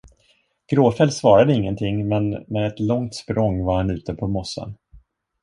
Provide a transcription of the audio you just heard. Gråfäll svarade ingenting, men med ett långt språng var han ute på mossen.